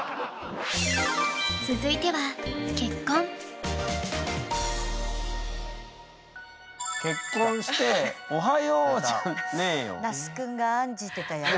続いては結婚して那須くんが案じてたやつ。